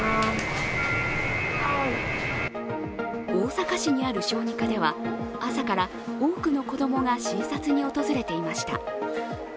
大阪市にある小児科では朝から多くの子供が診察に訪れていました。